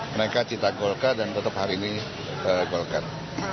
mereka cinta golkar dan tetap hari ini golkar